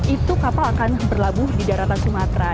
itu kapal akan berlabuh di daratan sumatera